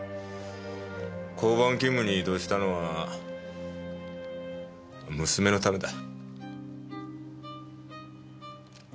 交番勤務に異動したのは娘のためだ。